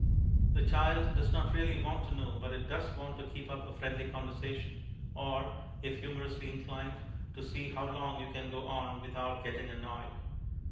The child does not really want to know, but it does want to keep up a friendly conversation, or, if humourously inclined, to see how long you can go on without getting annoyed.